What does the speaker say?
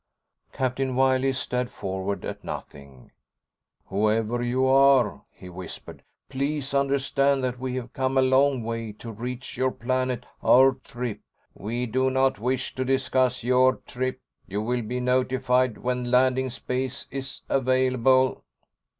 Captain Wiley stared forward at nothing. "Whoever you are," he whispered, "please understand that we have come a long way to reach your planet. Our trip...." "We do not wish to discuss your trip. You will be notified when landing space is available."